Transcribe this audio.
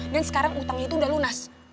dan sekarang utangnya itu udah lunas